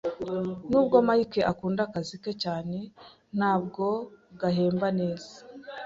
Nubwo Mike akunda akazi ke cyane, ntabwo gahemba neza.